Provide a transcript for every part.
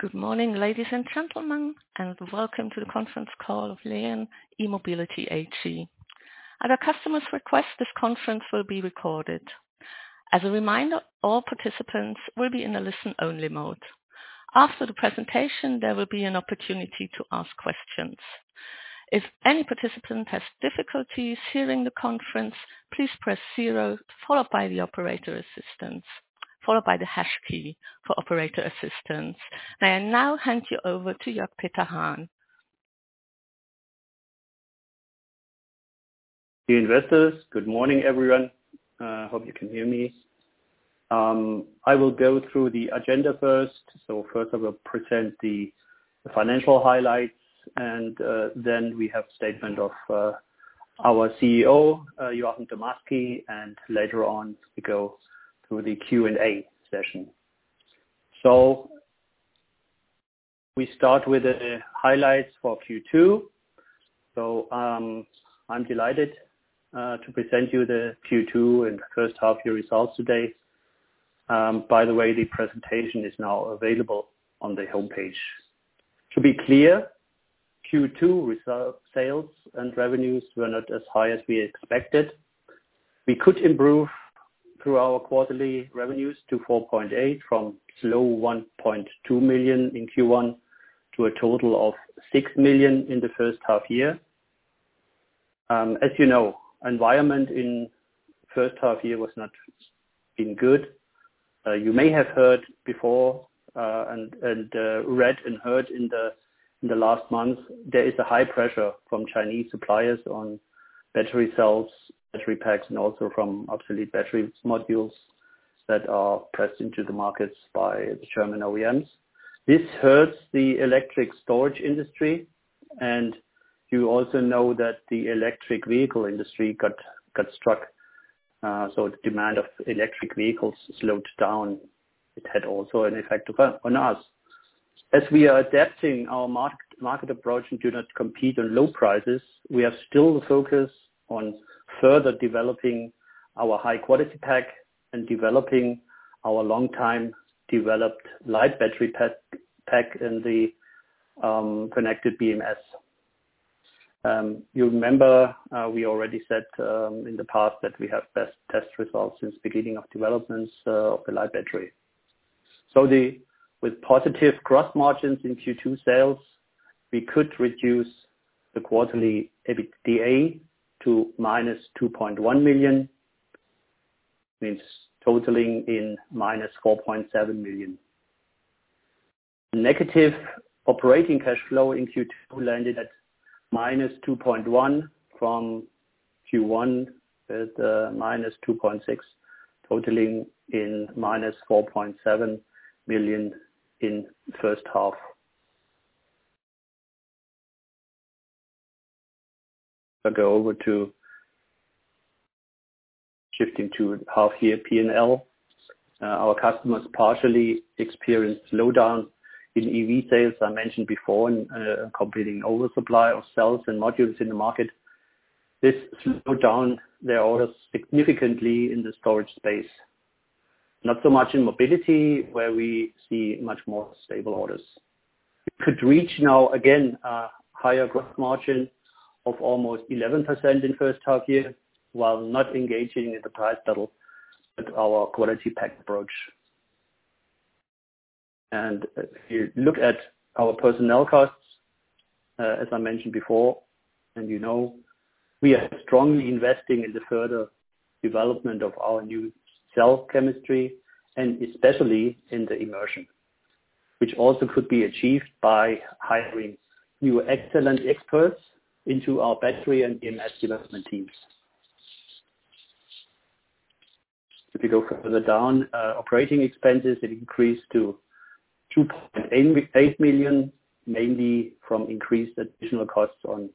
Good morning, ladies and gentlemen, and welcome to the conference call of LION E-Mobility AG. At a customer's request, this conference will be recorded. As a reminder, all participants will be in a listen-only mode. After the presentation, there will be an opportunity to ask questions. If any participant has difficulties hearing the conference, please press zero, followed by the operator assistance, followed by the hash key for operator assistance. I now hand you over to Jörg Peter Hahn. Dear investors, good morning, everyone. Hope you can hear me. I will go through the agenda first. First, I will present the financial highlights, and then we have statement of our CEO, Joachim Damasky, and later on, we go through the Q&A session. We start with the highlights for Q2. I'm delighted to present you the Q2 and first half year results today. By the way, the presentation is now available on the homepage. To be clear, Q2 reserve sales and revenues were not as high as we expected. We could improve through our quarterly revenues to 4.8 million from so low 1.2 million in Q1, to a total of 6 million in the first half year. As you know, environment in first half year was not been good. You may have heard before, and read and heard in the last month, there is a high pressure from Chinese suppliers on battery cells, battery packs, and also from obsolete battery modules that are pressed into the markets by the German OEMs. This hurts the electric storage industry, and you also know that the electric vehicle industry got struck. So demand of electric vehicles slowed down. It had also an effect on us. As we are adapting our market approach and do not compete on low prices, we are still focused on further developing our high quality pack and developing our long-time developed LIGHT Battery pack in the connected BMS. You remember, we already said in the past, that we have test results since beginning of development of the LIGHT Battery. So, with positive gross margins in Q2 sales, we could reduce the quarterly EBITDA to -2.1 million, means totaling -4.7 million. Negative operating cash flow in Q2 landed at -2.1 million from Q1 at minus 2.6 million, totaling -4.7 million in first half. I go over to shifting to half-year P&L. Our customers partially experienced slowdown in EV sales, I mentioned before, and competing oversupply of cells and modules in the market. This slowed down their orders significantly in the storage space. Not so much in mobility, where we see much more stable orders. We could reach now, again, a higher growth margin of almost 11% in first half-year, while not engaging in the price battle with our quality pack approach. And if you look at our personnel costs, as I mentioned before, and you know, we are strongly investing in the further development of our new cell chemistry, and especially in the immersion, which also could be achieved by hiring new excellent experts into our battery and BMS development teams. If you go further down, operating expenses, it increased to 2.8 million, mainly from increased additional costs on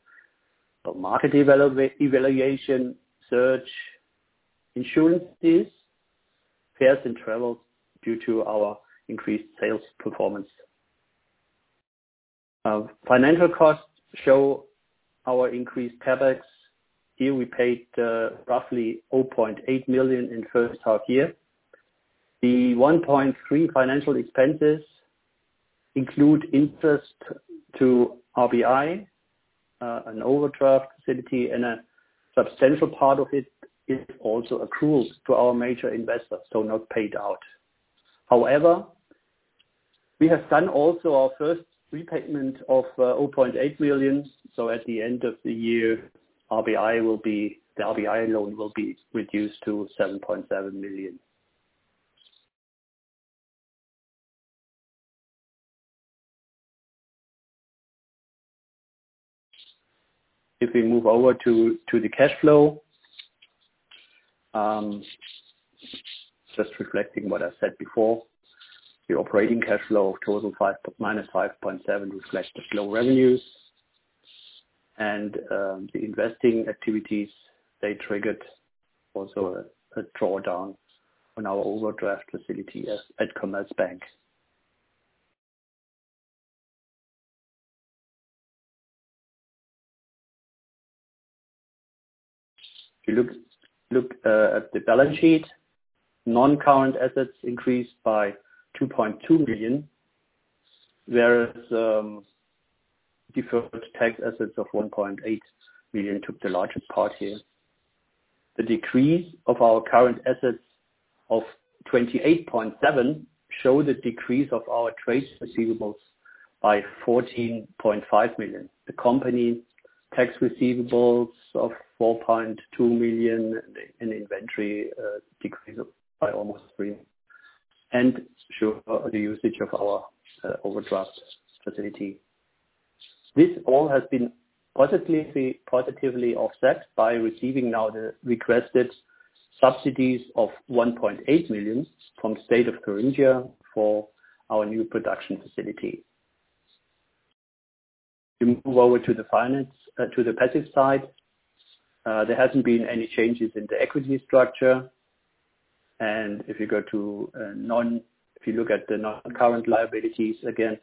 market development evaluation, search, insurances, fares and travel, due to our increased sales performance. Financial costs show our increased CapEx. Here, we paid roughly 0.8 million in first half year. The 1.3 million financial expenses include interest to RBI, an overdraft facility, and a substantial part of it is also accruals to our major investors, so not paid out. However, we have done also our first repayment of 0.8 million. So at the end of the year, RBI will be, the RBI loan will be reduced to 7.7 million. If we move over to the cash flow, just reflecting what I said before, the operating cash flow of -5.7 reflects the slow revenues. The investing activities, they triggered also a drawdown on our overdraft facility at Commerzbank. If you look at the balance sheet, non-current assets increased by 2.2 million, whereas deferred tax assets of 1.8 million took the largest part here. The decrease of our current assets of 28.7 show the decrease of our trade receivables by 14.5 million. The company tax receivables of 4.2 million and inventory decreased by almost 3 million, and show the usage of our overdraft facility. This all has been positively, positively offset by receiving now the requested subsidies of 1.8 million from the State of Carinthia for our new production facility. We move over to the finance, to the passive side. There hasn't been any changes in the equity structure. And if you look at the non-current liabilities, again,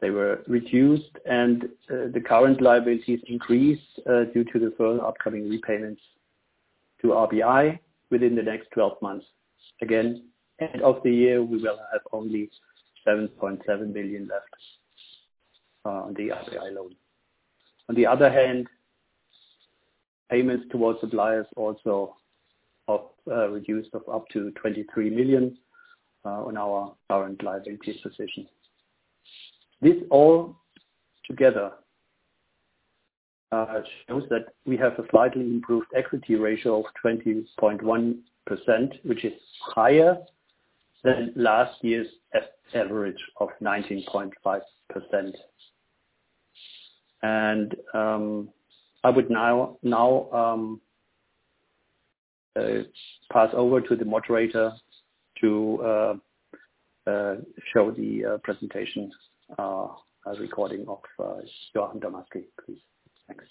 they were reduced, and the current liabilities increased due to the firm upcoming repayments to RBI within the next 12 months. Again, end of the year, we will have only 7.7 million left on the RBI loan. On the other hand, payments towards suppliers also up, reduced of up to 23 million on our current liabilities position. This all together shows that we have a slightly improved equity ratio of 20.1%, which is higher than last year's average of 19.5%. And, I would now pass over to the moderator to show the presentation, a recording of Joachim Damasky, please. Thanks.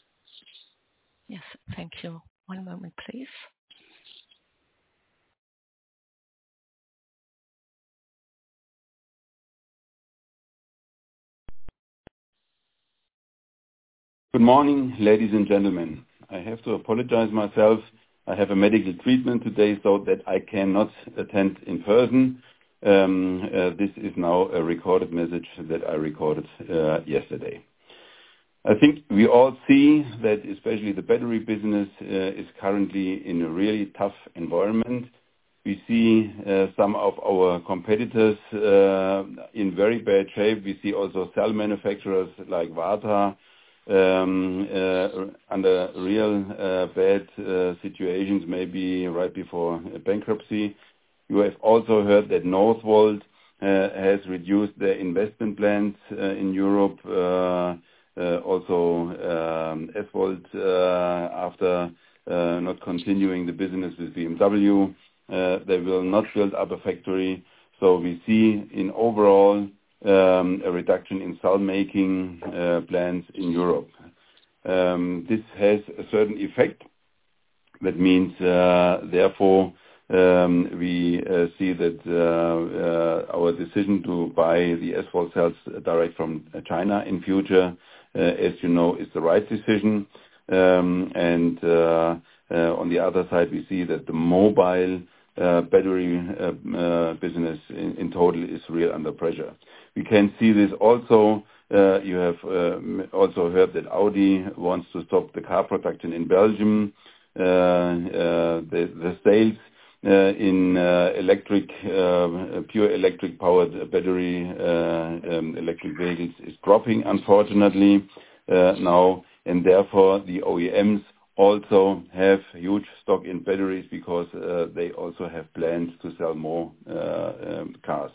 Yes, thank you. One moment, please. Good morning, ladies and gentlemen. I have to apologize myself. I have a medical treatment today, so that I cannot attend in person. This is now a recorded message that I recorded yesterday. I think we all see that especially the battery business is currently in a really tough environment. We see some of our competitors in very bad shape. We see also cell manufacturers like Varta under real bad situations, maybe right before a bankruptcy. You have also heard that Northvolt has reduced their investment plans in Europe also after not continuing the business with BMW, they will not build up a factory. So we see in overall a reduction in cell making plans in Europe. This has a certain effect. That means, therefore, we see that our decision to buy the SVOLT cells direct from China in future, as you know, is the right decision. And on the other side, we see that the mobile battery business in total is really under pressure. We can see this also. You have also heard that Audi wants to stop the car production in Belgium. The sales in electric pure electric-powered battery electric vehicles is dropping, unfortunately, now, and therefore, the OEMs also have huge stock in batteries because they also have plans to sell more cars.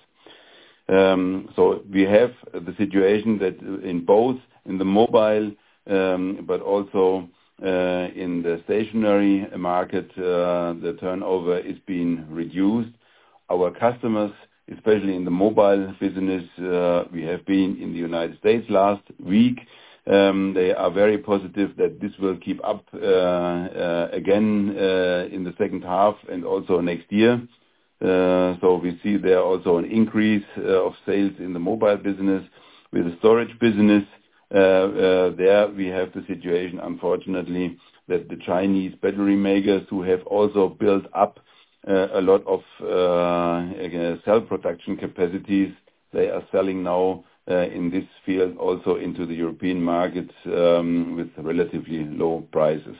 So we have the situation that in both in the mobile but also in the stationary market the turnover is being reduced. Our customers, especially in the mobile business, we have been in the United States last week. They are very positive that this will keep up, again, in the second half and also next year. So we see there also an increase of sales in the mobile business. With the storage business, there, we have the situation, unfortunately, that the Chinese battery makers, who have also built up a lot of, again, cell production capacities, they are selling now, in this field, also into the European markets, with relatively low prices.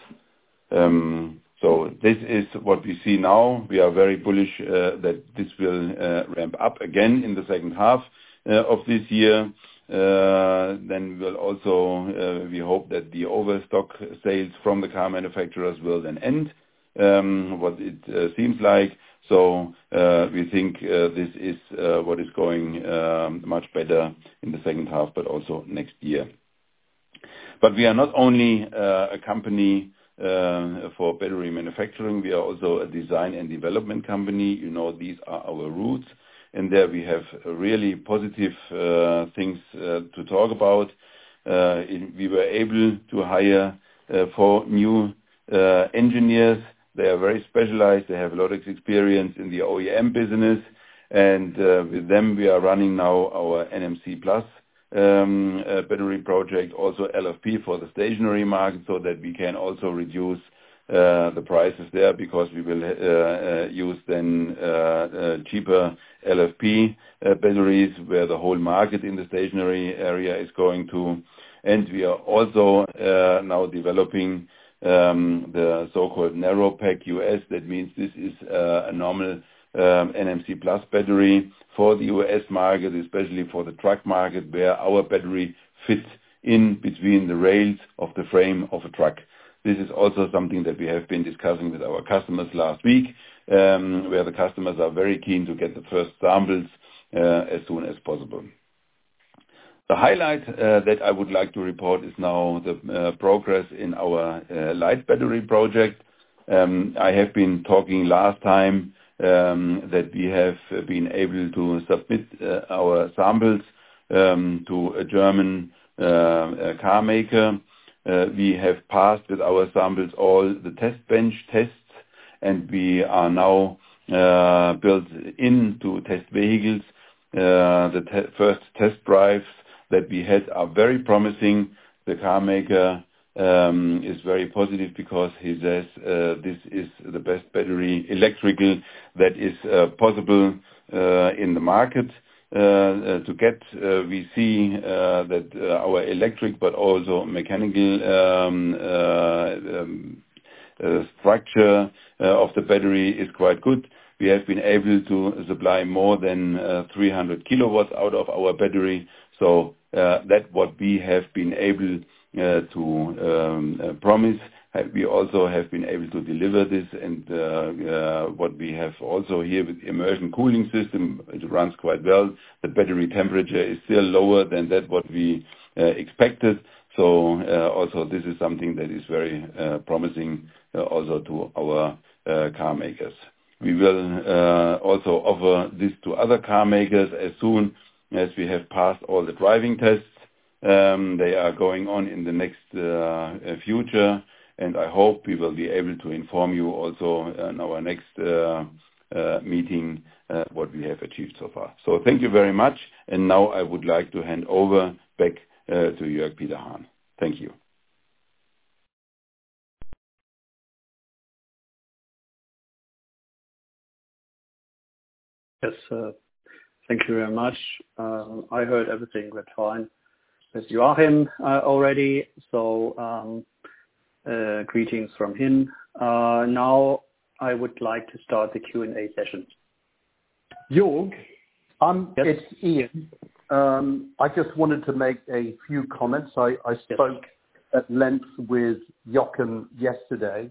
So this is what we see now. We are very bullish that this will ramp up again in the second half of this year. Then we will also, we hope that the overstock sales from the car manufacturers will then end, what it seems like. So, we think, this is what is going much better in the second half, but also next year. But we are not only a company for battery manufacturing, we are also a design and development company. You know, these are our roots, and there we have really positive things to talk about. And we were able to hire four new engineers. They are very specialized, they have a lot of experience in the OEM business, and with them, we are running now our NMC+ battery project, also LFP for the stationary market, so that we can also reduce the prices there, because we will use then cheaper LFP batteries, where the whole market in the stationary area is going to. And we are also now developing the so-called Narrow Pack US. That means this is a normal NMC+ battery for the U.S. market, especially for the truck market, where our battery fits in between the rails of the frame of a truck. This is also something that we have been discussing with our customers last week, where the customers are very keen to get the first samples as soon as possible. The highlight that I would like to report is now the progress in our LIGHT Battery project. I have been talking last time that we have been able to submit our samples to a German car maker. We have passed with our samples all the test bench tests, and we are now built into test vehicles. The first test drives that we had are very promising. The car maker is very positive because he says, "This is the best battery electrical that is possible in the market to get." We see that our electric, but also mechanical, structure of the battery is quite good. We have been able to supply more than 300 kW out of our battery, so that what we have been able to promise, and we also have been able to deliver this. And what we have also here with immersion cooling system, it runs quite well. The battery temperature is still lower than that what we expected. So also, this is something that is very promising also to our car makers. We will also offer this to other car makers as soon as we have passed all the driving tests. They are going on in the next future, and I hope we will be able to inform you also in our next meeting what we have achieved so far. So thank you very much. Now I would like to hand over back to Jörg Peter Hahn. Thank you. Yes, thank you very much. I heard everything went fine with Joachim already, so greetings from him. Now, I would like to start the Q&A session. Jörg, it's Ian. I just wanted to make a few comments. I spoke- Yes. - at length with Joachim yesterday,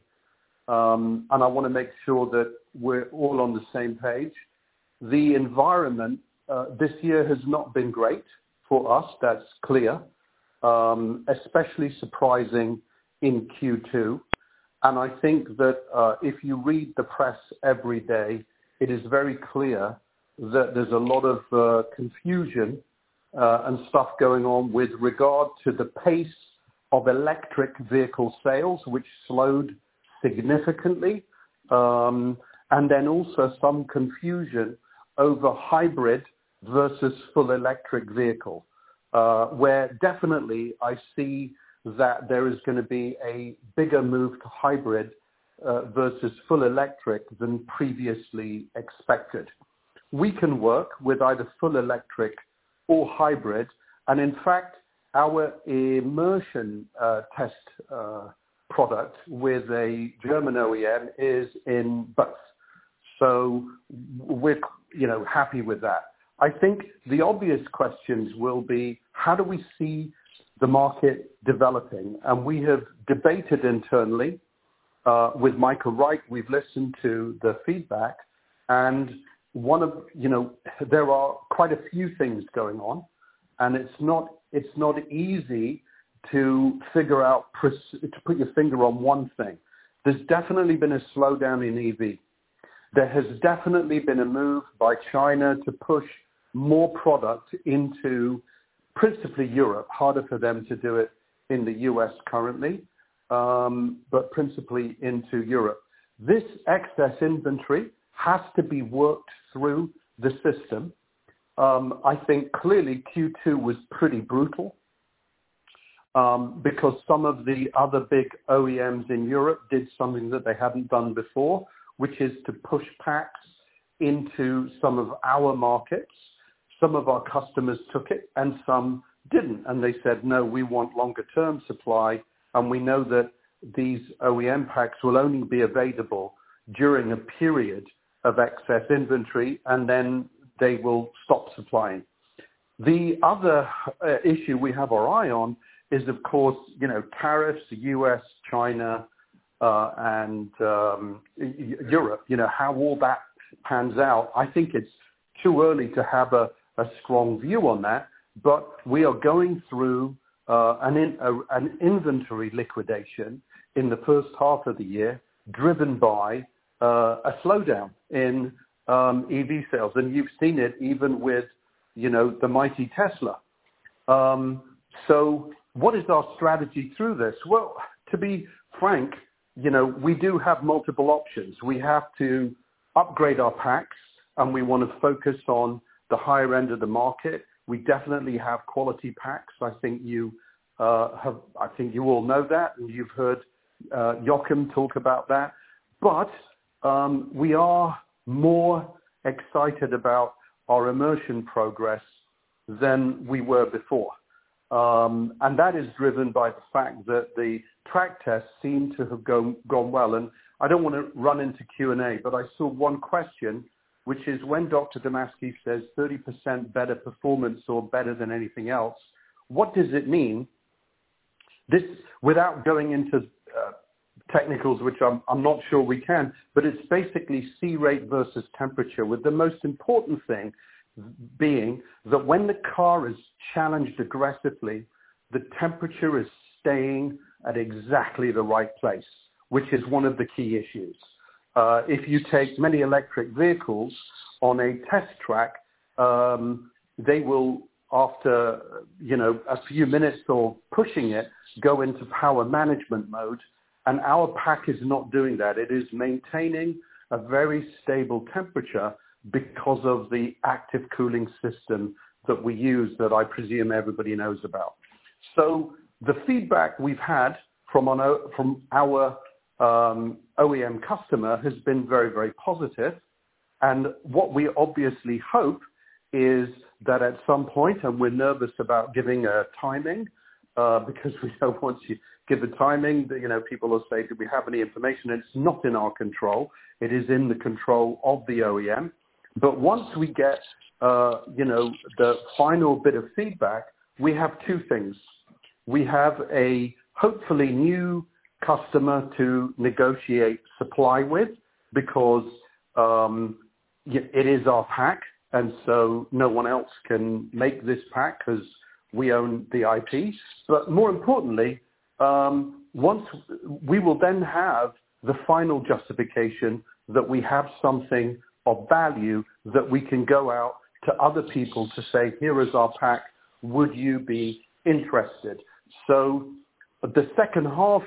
and I wanna make sure that we're all on the same page. The environment, this year, has not been great for us. That's clear. Especially surprising in Q2, and I think that, if you read the press every day, it is very clear that there's a lot of, confusion, and stuff going on with regard to the pace of electric vehicle sales, which slowed significantly. And then also some confusion over hybrid versus full electric vehicle, where definitely I see that there is gonna be a bigger move to hybrid, versus full electric than previously expected. We can work with either full electric or hybrid, and in fact, our immersion test product with a German OEM is in bus. So we're, you know, happy with that. I think the obvious questions will be, how do we see the market developing? We have debated internally with Michael Wright. We've listened to the feedback, and one of... You know, there are quite a few things going on, and it's not easy to figure out to put your finger on one thing. There's definitely been a slowdown in EV. There has definitely been a move by China to push more product into principally Europe, harder for them to do it in the US currently, but principally into Europe. This excess inventory has to be worked through the system. I think clearly Q2 was pretty brutal, because some of the other big OEMs in Europe did something that they hadn't done before, which is to push packs into some of our markets. Some of our customers took it, and some didn't, and they said: No, we want longer term supply, and we know that these OEM packs will only be available during a period of excess inventory, and then they will stop supplying. The other issue we have our eye on is, of course, you know, tariffs, US, China, and Europe, you know, how all that pans out. I think it's too early to have a strong view on that, but we are going through an inventory liquidation in the first half of the year, driven by a slowdown in EV sales, and you've seen it even with, you know, the mighty Tesla. So what is our strategy through this? Well, to be frank, you know, we do have multiple options. We have to upgrade our packs, and we wanna focus on the higher end of the market. We definitely have quality packs. I think you all know that, and you've heard Joachim talk about that. But we are more excited about our immersion progress than we were before. And that is driven by the fact that the track tests seem to have gone well, and I don't wanna run into Q&A, but I saw one question, which is, when Dr. Damasky says 30% better performance or better than anything else, what does it mean? This, without going into, technicals, which I'm, I'm not sure we can, but it's basically C rate versus temperature, with the most important thing being, that when the car is challenged aggressively, the temperature is staying at exactly the right place, which is one of the key issues. If you take many electric vehicles on a test track, they will after, you know, a few minutes of pushing it, go into power management mode, and our pack is not doing that. It is maintaining a very stable temperature because of the active cooling system that we use, that I presume everybody knows about. So the feedback we've had from our OEM customer has been very, very positive, and what we obviously hope is that at some point, and we're nervous about giving a timing, because we know once you give a timing, then, you know, people will say, "Do we have any information?" It's not in our control. It is in the control of the OEM. But once we get, you know, the final bit of feedback, we have two things. We have a, hopefully, new customer to negotiate supply with, because it is our pack, and so no one else can make this pack, 'cause we own the IP. But more importantly, once... We will then have the final justification that we have something of value that we can go out to other people to say, "Here is our pack, would you be interested?" So the second half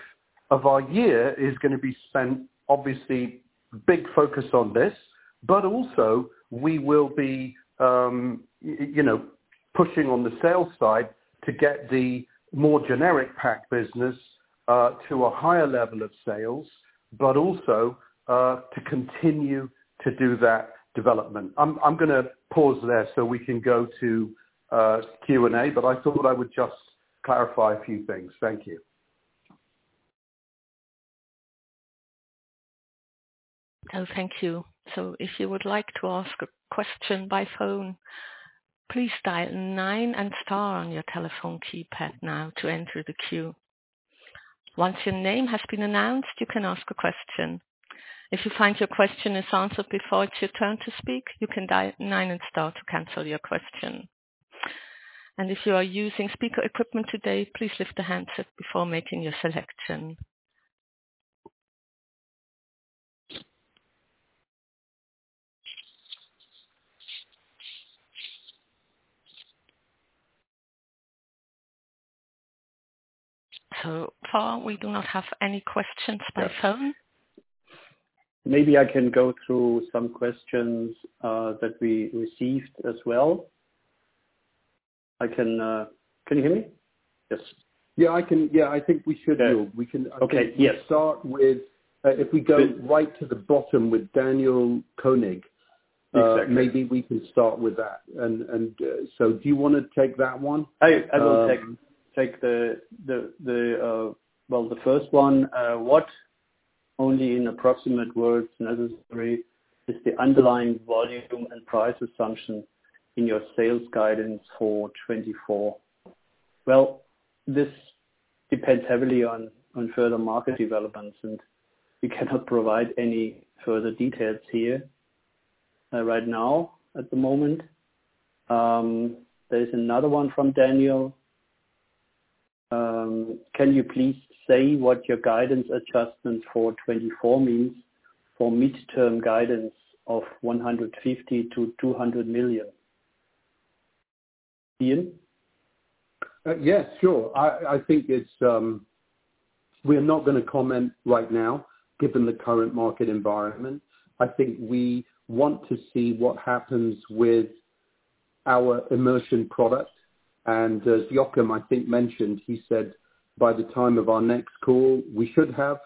of our year is gonna be spent, obviously, big focus on this. But also, we will be, you know, pushing on the sales side to get the more generic pack business to a higher level of sales, but also, to continue to do that development. I'm gonna pause there, so we can go to Q&A, but I thought I would just clarify a few things. Thank you. Oh, thank you. So if you would like to ask a question by phone, please dial nine and star on your telephone keypad now to enter the queue. Once your name has been announced, you can ask a question. If you find your question is answered before it's your turn to speak, you can dial nine and star to cancel your question. And if you are using speaker equipment today, please lift the handset before making your selection. So far, we do not have any questions by phone. Maybe I can go through some questions that we received as well. I can... Can you hear me? Yes. Yeah, I can. Yeah, I think we should do. Okay. Yes. We can start with, if we go right to the bottom with Daniel König- Exactly. Maybe we can start with that. So do you wanna take that one? I will take the first one. What, only in approximate words necessary, is the underlying volume and price assumption in your sales guidance for 2024? Well, this depends heavily on further market developments, and we cannot provide any further details here, right now, at the moment. There's another one from Daniel. Can you please say what your guidance adjustment for 2024 means for midterm guidance of 150 million-200 million? Ian? Yes, sure. I think it's we're not gonna comment right now, given the current market environment. I think we want to see what happens with our immersion product, and as Joachim, I think mentioned, he said, by the time of our next call, we should have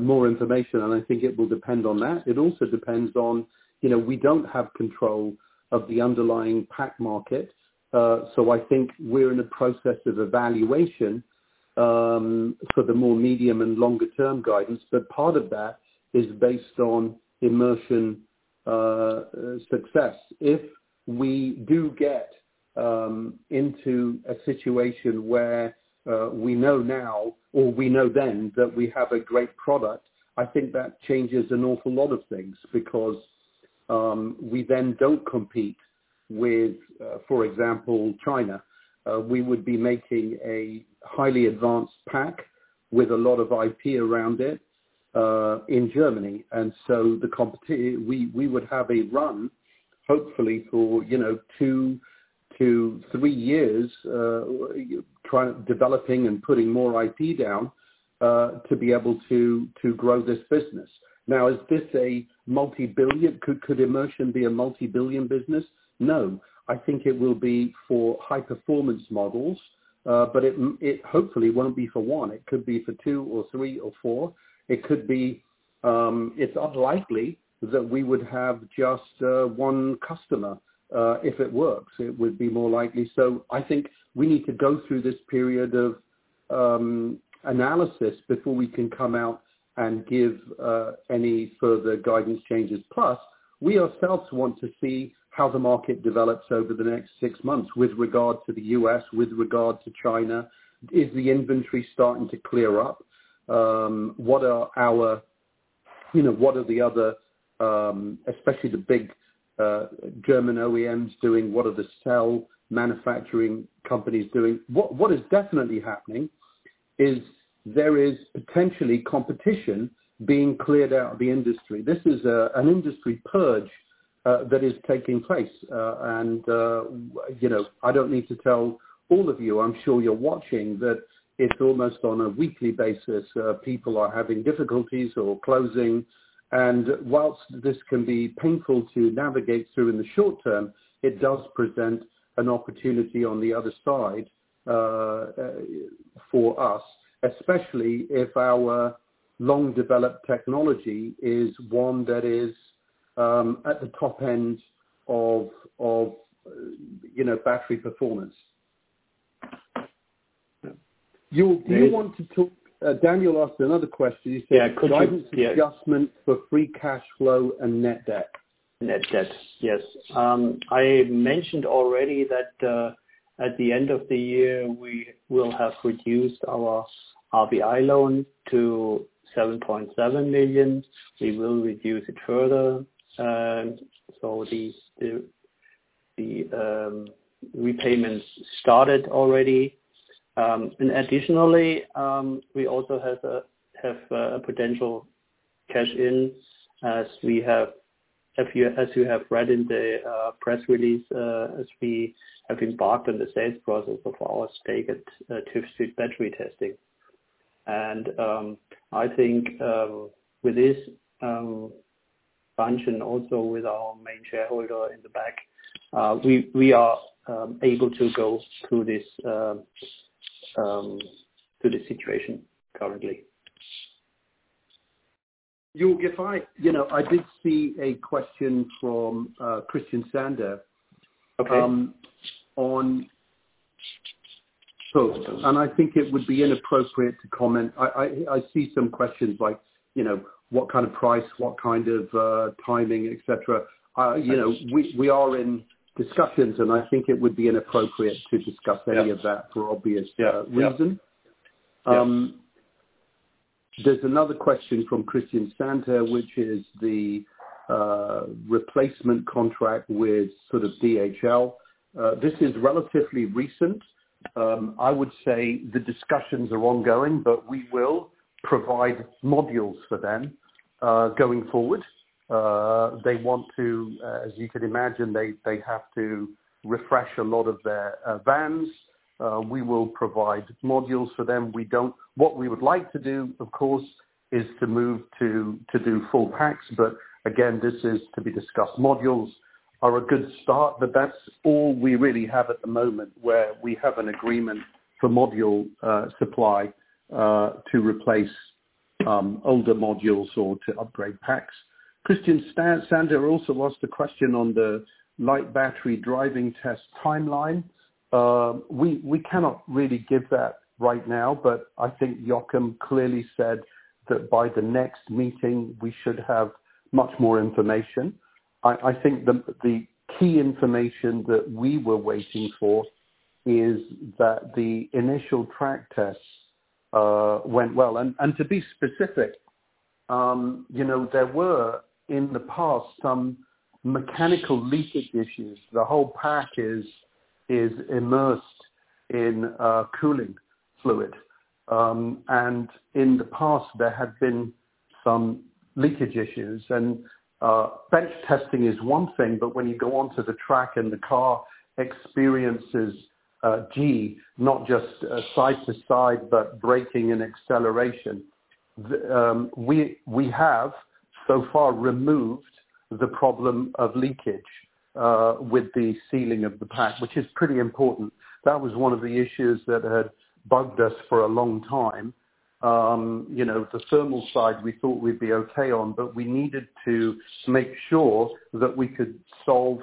more information, and I think it will depend on that. It also depends on, you know, we don't have control of the underlying pack market, so I think we're in a process of evaluation for the more medium and longer term guidance, but part of that is based on immersion success. If we do get into a situation where we know now or we know then that we have a great product, I think that changes an awful lot of things, because we then don't compete with, for example, China. We would be making a highly advanced pack with a lot of IP around it in Germany, and so the we would have a run, hopefully for, you know, two to three years developing and putting more IP down to be able to grow this business. Now, is this a multi-billion? Could immersion be a multi-billion business? No. I think it will be for high-performance models, but it hopefully won't be for one. It could be for two, or three, or four. It could be. It's unlikely that we would have just one customer if it works, it would be more likely. So I think we need to go through this period of analysis before we can come out and give any further guidance changes. Plus, we ourselves want to see how the market develops over the next six months, with regard to the U.S., with regard to China. Is the inventory starting to clear up? What are our, you know, what are the other, especially the big German OEMs doing? What are the cell manufacturing companies doing? What is definitely happening is there is potentially competition being cleared out of the industry. This is an industry purge that is taking place. You know, I don't need to tell all of you, I'm sure you're watching, that it's almost on a weekly basis, people are having difficulties or closing. And whilst this can be painful to navigate through in the short term, it does present an opportunity on the other side, for us, especially if our long-developed technology is one that is at the top end of, you know, battery performance. Jörg, do you want to talk... Daniel asked another question. Yeah, could you- Guidance adjustment for free cash flow and net debt. Net debt, yes. I mentioned already that, at the end of the year, we will have reduced our RBI loan to 7.7 million. We will reduce it further. The repayments started already. Additionally, we also have a potential cash in, as you have read in the press release, as we have embarked on the sales process of our stake at TÜV SÜD Battery Testing. I think, with this function, also with our main shareholder in the back, we are able to go through this situation currently. Jörg, if I... You know, I did see a question from Christian Sander- Okay. So, and I think it would be inappropriate to comment. I see some questions like, you know, what kind of price, what kind of timing, et cetera. You know, we are in discussions, and I think it would be inappropriate to discuss any of that for obvious reason. Yeah. Yeah. There's another question from Christian Sander, which is the replacement contract with sort of DHL. This is relatively recent. I would say the discussions are ongoing, but we will provide modules for them going forward. They want to, as you can imagine, they have to refresh a lot of their vans. We will provide modules for them. What we would like to do, of course, is to move to do full packs, but again, this is to be discussed. Modules are a good start, but that's all we really have at the moment, where we have an agreement for module supply to replace older modules or to upgrade packs. Christian Sander also asked a question on the LIGHT Battery driving test timeline. We, we cannot really give that right now, but I think Joachim clearly said that by the next meeting, we should have much more information. I, I think the, the key information that we were waiting for is that the initial track tests went well. And to be specific, you know, there were, in the past, some mechanical leakage issues. The whole pack is, is immersed in cooling fluid. And in the past, there had been some leakage issues. And bench testing is one thing, but when you go onto the track and the car experiences G, not just side to side, but braking and acceleration, we, we have so far removed the problem of leakage with the sealing of the pack, which is pretty important. That was one of the issues that had bugged us for a long time. You know, the thermal side, we thought we'd be okay on, but we needed to make sure that we could solve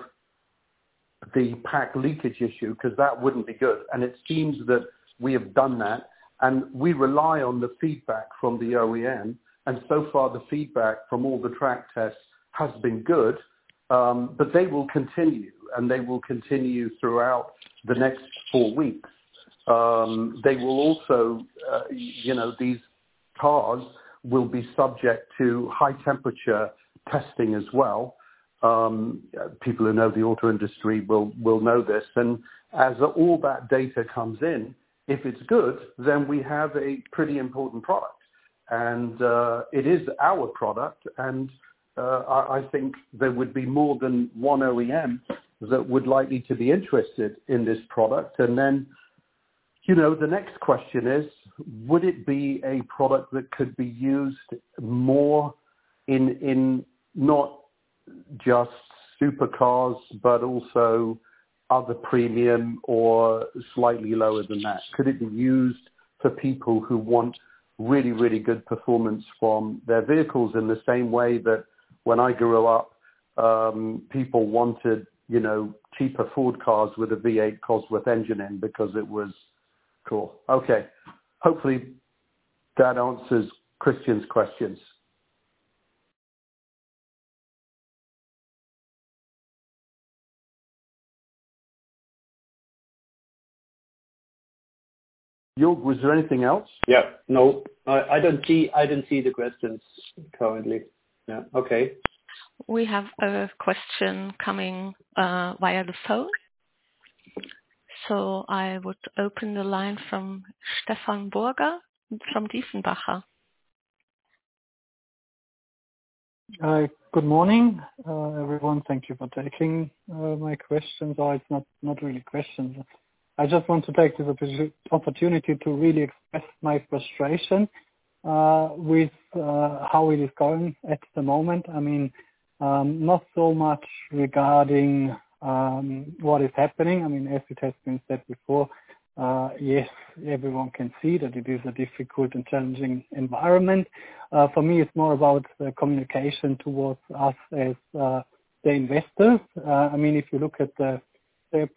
the pack leakage issue, because that wouldn't be good. It seems that we have done that, and we rely on the feedback from the OEM. So far, the feedback from all the track tests has been good, but they will continue, and they will continue throughout the next four weeks. They will also, you know, these cars will be subject to high temperature testing as well. People who know the auto industry will know this. As all that data comes in, if it's good, then we have a pretty important product. And, it is our product, and, I, I think there would be more than one OEM that would likely to be interested in this product. And then, you know, the next question is: would it be a product that could be used more in, in not just supercars, but also other premium or slightly lower than that? Could it be used for people who want really, really good performance from their vehicles, in the same way that when I grew up, people wanted, you know, cheaper Ford cars with a V8 Cosworth engine in, because it was cool? Okay, hopefully that answers Christian's questions. Jörg, was there anything else? Yeah, no, I, I don't see, I don't see the questions currently. Yeah, okay. We have a question coming via the phone. So I would open the line from Stefan Burger, from Dieffenbacher. Hi, good morning, everyone. Thank you for taking my question. Well, it's not really a question. I just want to take this opportunity to really express my frustration with how it is going at the moment. I mean, not so much regarding what is happening. I mean, as it has been said before, yes, everyone can see that it is a difficult and challenging environment. For me, it's more about the communication towards us as the investors. I mean, if you look at the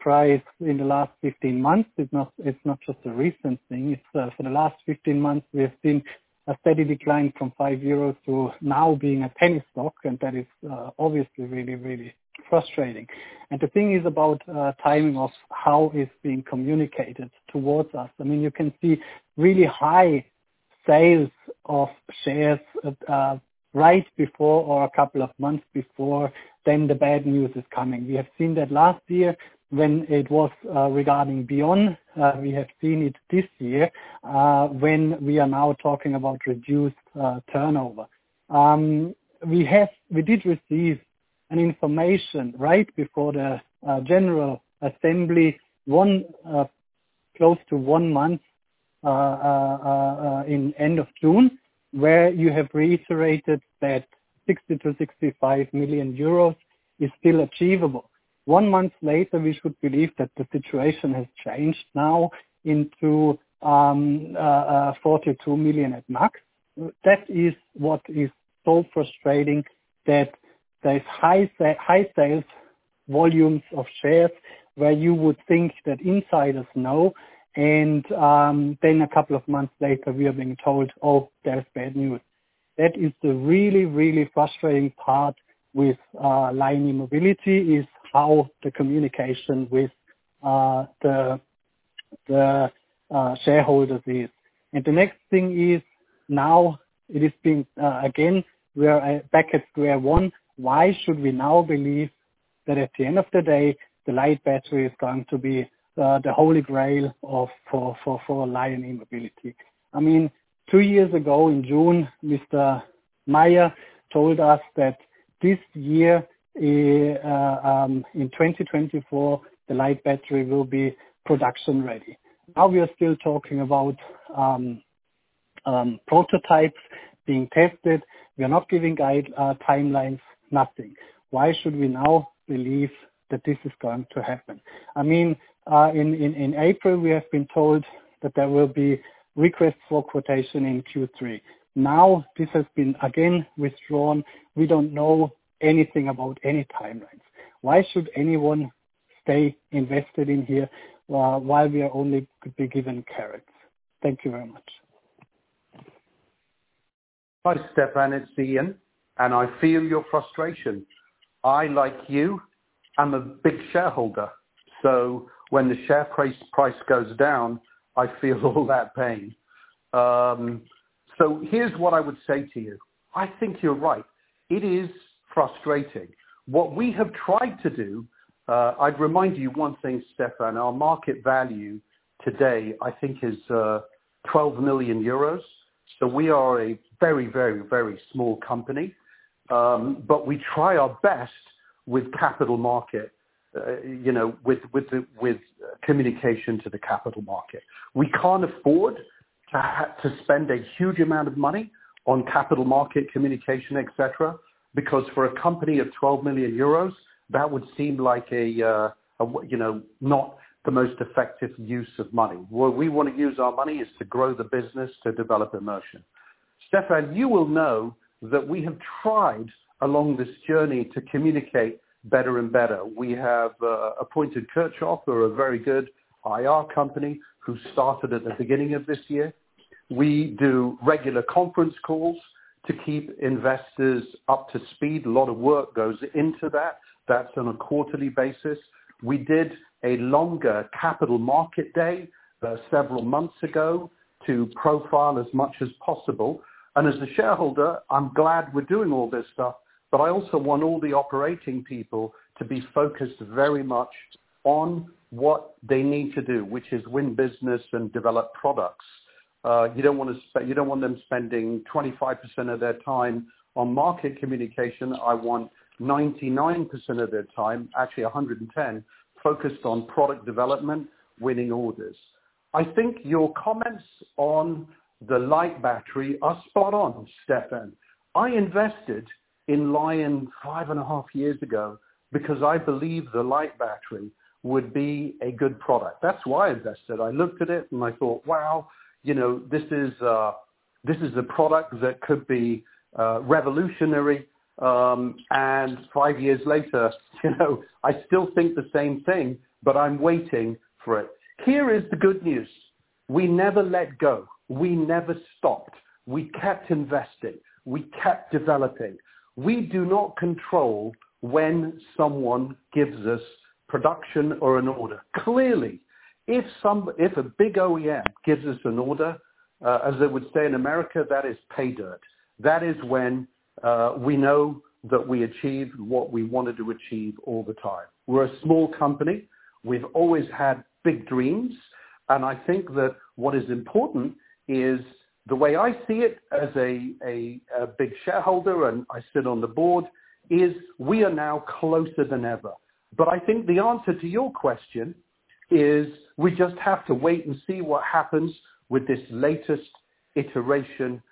price in the last 15 months, it's not just a recent thing. It's for the last 15 months, we have seen a steady decline from 5 euros to now being a penny stock, and that is obviously really, really frustrating. And the thing is about timing of how it's being communicated towards us. I mean, you can see really high sales of shares right before or a couple of months before, then the bad news is coming. We have seen that last year when it was regarding B-ON. We have seen it this year when we are now talking about reduced turnover. We did receive an information right before the general assembly, one close to one month in end of June, where you have reiterated that 60 million-65 million euros is still achievable. One month later, we should believe that the situation has changed now into 42 million EUR at max. That is what is so frustrating, that there's high sales volumes of shares, where you would think that insiders know, and then a couple of months later, we are being told, "Oh, there's bad news." That is the really, really frustrating part with LION E-Mobility, is how the communication with the shareholders is. And the next thing is, now it is being again, we are back at square one. Why should we now believe that at the end of the day, the LIGHT Battery is going to be the holy grail of, for, for, for LION E-Mobility? I mean, two years ago, in June, Mr. Meyer told us that this year, in 2024, the LIGHT Battery will be production ready. Now, we are still talking about prototypes being tested. We are not giving guidance, timelines, nothing. Why should we now believe that this is going to happen? I mean, in April, we have been told that there will be requests for quotation in Q3. Now, this has been again withdrawn. We don't know anything about any timelines. Why should anyone stay invested in here, while we are only to be given carrots? Thank you very much. Hi, Stefan, it's Ian, and I feel your frustration. I, like you, am a big shareholder, so when the share price goes down, I feel all that pain. So here's what I would say to you: I think you're right. It is frustrating. What we have tried to do... I'd remind you one thing, Stefan, our market value today, I think, is 12 million euros. So we are a very, very, very small company. But we try our best with capital market, you know, with communication to the capital market. We can't afford to spend a huge amount of money on capital market communication, et cetera, because for a company of 12 million euros, that would seem like a, you know, not the most effective use of money. Where we want to use our money is to grow the business, to develop immersion. Stefan, you will know that we have tried along this journey to communicate better and better. We have appointed Kirchhoff, who are a very good IR company, who started at the beginning of this year. We do regular conference calls to keep investors up to speed. A lot of work goes into that. That's on a quarterly basis. We did a longer capital market day, several months ago, to profile as much as possible. And as a shareholder, I'm glad we're doing all this stuff, but I also want all the operating people to be focused very much on what they need to do, which is win business and develop products. You don't want them spending 25% of their time on market communication. I want 99% of their time, actually 110, focused on product development, winning orders. I think your comments on the LIGHT Battery are spot on, Stefan. I invested in LION 5.5 years ago because I believed the LIGHT Battery would be a good product. That's why I invested. I looked at it and I thought, "Wow, you know, this is a product that could be revolutionary." 5 years later, you know, I still think the same thing, but I'm waiting for it. Here is the good news. We never let go. We never stopped. We kept investing. We kept developing. We do not control when someone gives us production or an order. Clearly, if a big OEM gives us an order, as they would say in America, that is pay dirt. That is when we know that we achieved what we wanted to achieve all the time. We're a small company. We've always had big dreams, and I think that what is important is, the way I see it as a big shareholder, and I sit on the board, is we are now closer than ever. But I think the answer to your question is, we just have to wait and see what happens with this latest iteration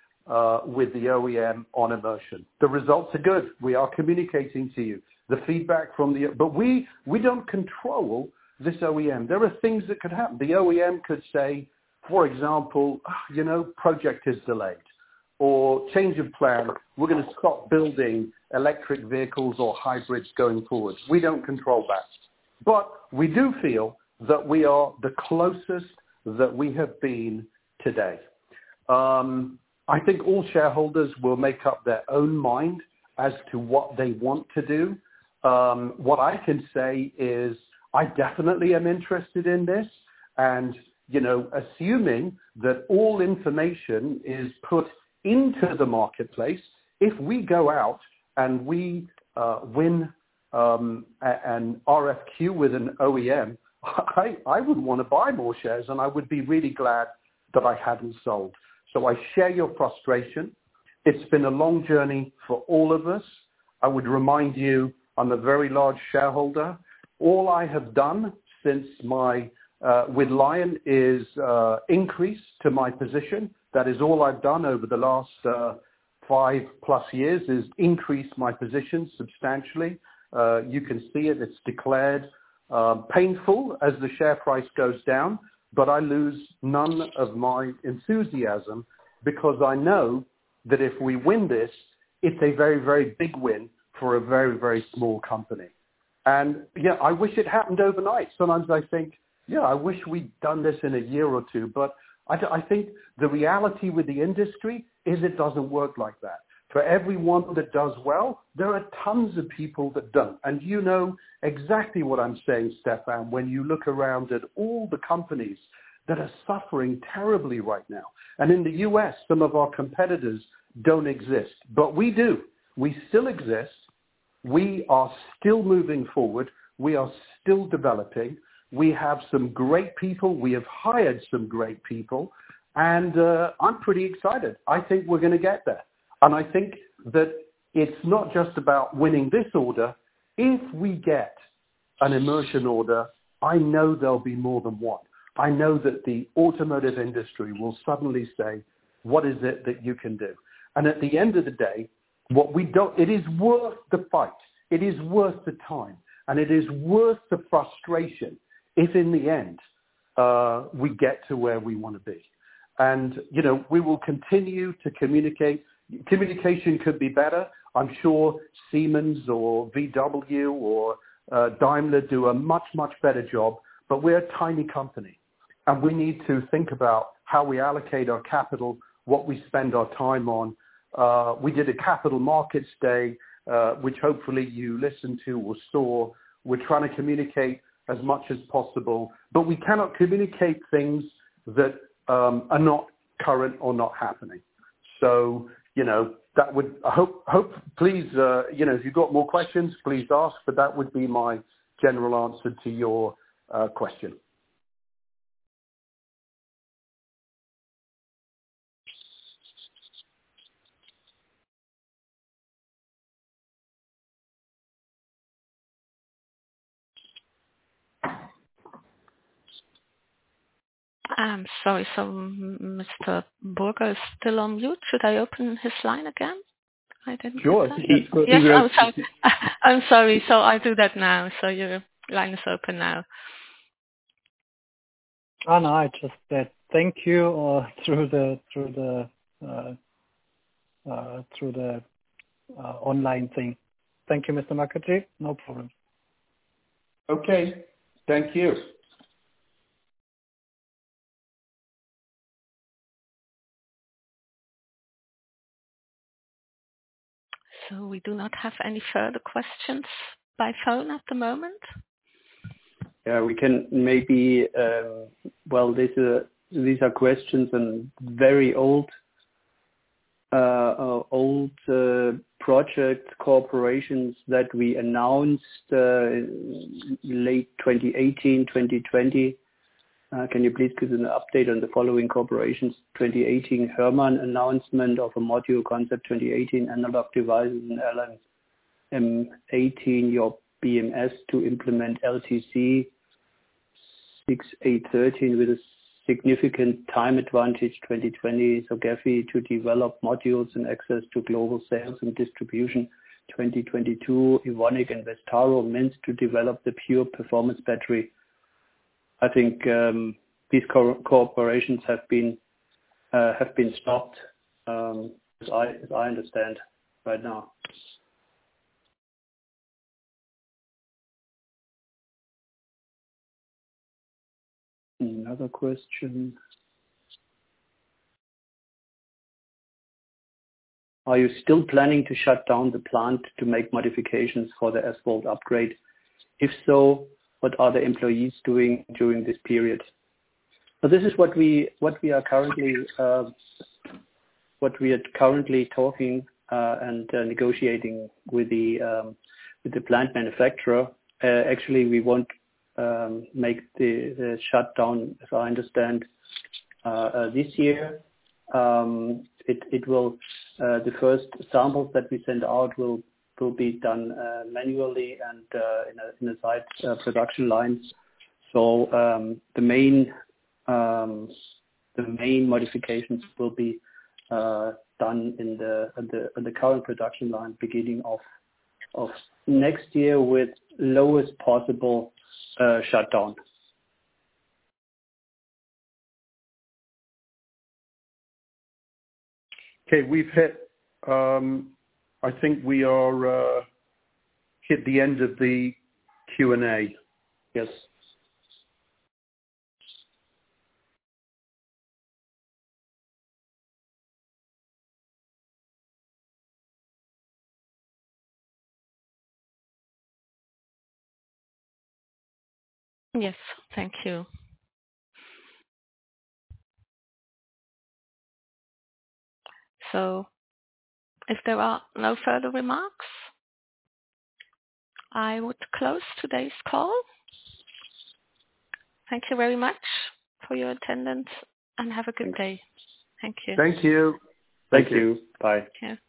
with the OEM on immersion. The results are good. We are communicating to you. The feedback from the... But we, we don't control this OEM. There are things that could happen. The OEM could say, for example, "You know, project is delayed," or, "Change of plan, we're gonna stop building electric vehicles or hybrids going forward." We don't control that, but we do feel that we are the closest that we have been today. I think all shareholders will make up their own mind as to what they want to do. What I can say is, I definitely am interested in this, and, you know, assuming that all information is put into the marketplace, if we go out and we win an RFQ with an OEM, I would wanna buy more shares, and I would be really glad that I hadn't sold. So I share your frustration. It's been a long journey for all of us. I would remind you, I'm a very large shareholder. All I have done since my with Lion is increase to my position. That is all I've done over the last 5+ years is increase my position substantially. You can see it. It's declared, painful as the share price goes down, but I lose none of my enthusiasm, because I know that if we win this, it's a very, very big win for a very, very small company. And, you know, I wish it happened overnight. Sometimes I think, "Yeah, I wish we'd done this in a year or two," but I think the reality with the industry is it doesn't work like that. For everyone that does well, there are tons of people that don't, and you know exactly what I'm saying, Stefan, when you look around at all the companies that are suffering terribly right now. In the U.S., some of our competitors don't exist, but we do. We still exist. We are still moving forward. We are still developing. We have some great people. We have hired some great people, and, I'm pretty excited. I think we're gonna get there, and I think that it's not just about winning this order. If we get an immersion order, I know there'll be more than one. I know that the automotive industry will suddenly say, "What is it that you can do?" And at the end of the day, what we don't... It is worth the fight, it is worth the time, and it is worth the frustration, if in the end, we get to where we wanna be. And, you know, we will continue to communicate. Communication could be better. I'm sure Siemens or VW or Daimler do a much, much better job, but we're a tiny company, and we need to think about how we allocate our capital, what we spend our time on. We did a Capital Markets Day, which hopefully you listened to or saw. We're trying to communicate as much as possible, but we cannot communicate things that are not current or not happening. So, you know, that would... I hope, hope, please, you know, if you've got more questions, please ask, but that would be my general answer to your question. I'm sorry. So Mr. Burger is still on mute? Should I open his line again? I didn't- Sure. Yes. Oh, sorry. I'm sorry. I'll do that now. Your line is open now. Oh, no, I just said thank you through the online thing. Thank you, Mr. Mukherjee. No problem. Okay. Thank you. So we do not have any further questions by phone at the moment. Yeah, we can maybe... Well, these are questions and very old project cooperations that we announced late 2018, 2020. Can you please give us an update on the following cooperations? 2018, Hermann announcement of a module concept. 2018, Analog Device in LN. In 2018, your BMS to implement LTC6813 with a significant time advantage. 2020, Sogefi, to develop modules and access to global sales and distribution. 2022, Evonik and Vestaro meant to develop the Pure Performance Battery. I think these co-cooperations have been stopped, as I understand right now. Another question: Are you still planning to shut down the plant to make modifications for the SVOLT upgrade? If so, what are the employees doing during this period? So this is what we are currently talking and negotiating with the plant manufacturer. Actually, we won't make the shutdown, as I understand, this year. The first samples that we send out will be done manually and in a site production lines. So, the main modifications will be done in the current production line, beginning of next year, with lowest possible shutdown. Okay, I think we've hit the end of the Q&A. Yes. Yes, thank you. So if there are no further remarks, I would close today's call. Thank you very much for your attendance, and have a good day. Thank you. Thank you. Thank you. Bye. Yeah. Bye.